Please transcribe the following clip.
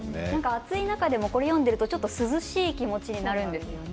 暑い中でも、これを読んでいるとちょっと涼しい気持ちになれるんですよね。